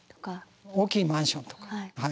大きいマンションとか。